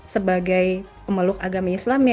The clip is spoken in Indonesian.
sebagai pemeluk agama islam